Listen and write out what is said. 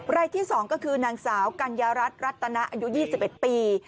รายที่๒ก็คือนางสาวกัญญารัฐรัตนาอายุ๒๑ปี